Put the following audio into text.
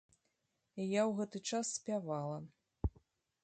Я ў гэты час спявала.